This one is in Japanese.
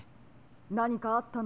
・なにかあったのですか？